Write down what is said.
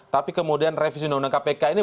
tapi kemudian revisi undang undang kpk ini